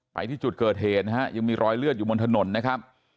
ไปที่จุดเกิดเหตุนะฮะยังมีรอยเลือดอยู่บนถนนนะครับ